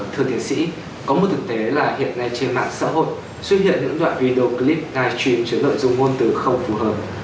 thưa tiến sĩ có một thực tế là hiện nay trên mạng xã hội xuất hiện những đoạn video clip live stream chứa nội dung ngôn từ không phù hợp